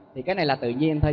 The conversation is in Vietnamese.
thì cái này là tự nhiên thôi